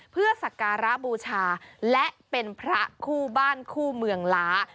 เพื่อสักการะบูชาและเป็นพระคู่บ้านคู่เมืองล้า